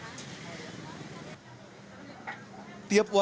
tiap waktu kita akan mencari uang yang lebih mudah